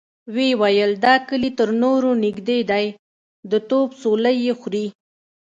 ويې ويل: دا کلي تر نورو نږدې دی، د توپ څولۍ يې خوري.